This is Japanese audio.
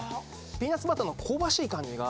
ピーナツバターの香ばしい感じが。